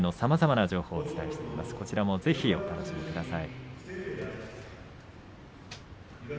こちらもぜひお楽しみください。